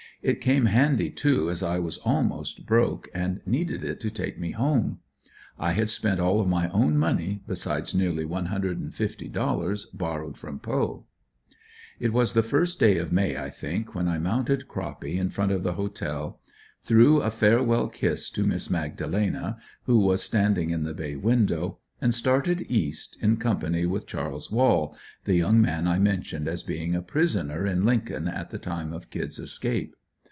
It came handy too as I was almost broke and needed it to take me home. I had spent all of my own money, besides nearly one hundred and fifty dollars borrowed from Poe. It was the first day of May, I think, when I mounted Croppy in front of the Hotel, threw a farewell kiss at Miss Magdalena, who was standing in the bay window, and started east, in company with Chas. Wall the young man I mentioned as being a prisoner in Lincoln at the time of "Kid's" escape.